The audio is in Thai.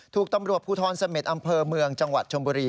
ถูกตำรวจภูทรเสม็ดอำเภอเมืองจังหวัดชมบุรี